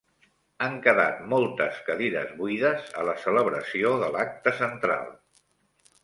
Han quedat moltes cadires buides a la celebració de l'acte central.